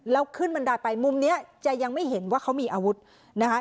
แล้วขึ้นบันไดไปมุมนี้จะยังไม่เห็นว่าเขามีอาวุธนะคะ